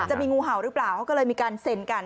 จะมีงูเห่าหรือเปล่าเขาก็เลยมีการเซ็นกัน